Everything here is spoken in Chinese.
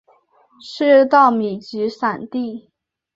是稻米集散地。